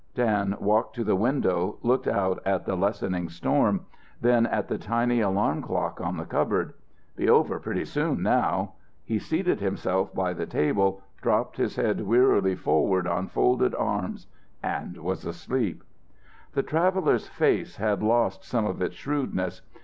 Dan walked to the window, looked out at the lessening storm, then at the tiny alarm clock on the cupboard. "Be over pretty soon now!" He seated himself by the table, dropped his head wearily forward on folded arms and was asleep. The traveller's face had lost some of its shrewdness.